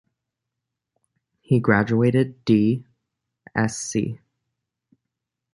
He graduated D. Sc.